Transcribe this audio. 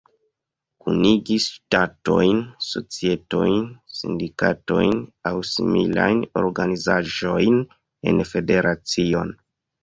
Kunigi ŝtatojn, societojn, sindikatojn aŭ similajn organizaĵojn en federacion.